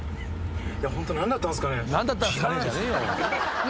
ホント何だったんすかね。